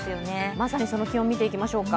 まさにその気温、見ていきましょうか。